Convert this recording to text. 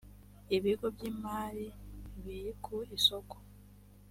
ibigo by imari biri ku isoko